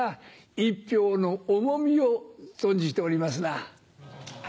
１ピョウの重みを存じておりますな。